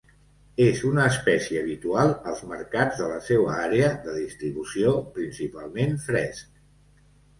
És una espècie habitual als mercats de la seua àrea de distribució, principalment fresc.